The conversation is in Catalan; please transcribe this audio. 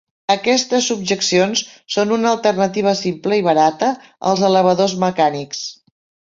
Aquestes subjeccions són una alternativa simple i barata als elevadors mecànics.